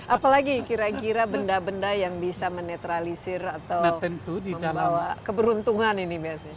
apalagi kira kira benda benda yang bisa menetralisir atau membawa keberuntungan ini biasanya